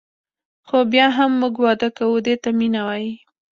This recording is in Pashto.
خو بیا هم موږ واده کوو دې ته مینه وايي.